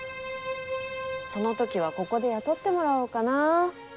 その時はここで雇ってもらおうかな。